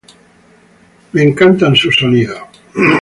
Me encantan sus sonidos.